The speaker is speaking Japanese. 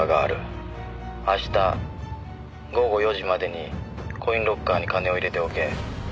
「明日午後４時までにコインロッカーに金を入れておけ」